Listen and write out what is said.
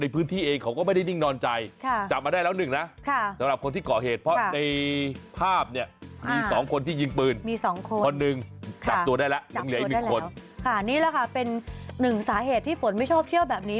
เป็นหนึ่งสาเหตุที่ผมไม่ชอบเชื่อแบบนี้